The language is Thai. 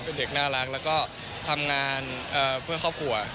เป็นเด็กน่ารักแล้วก็ทำงานเพื่อครอบครัว